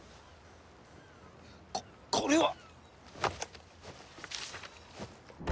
ここれは！